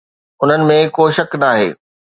ان ۾ ڪو شڪ ناهي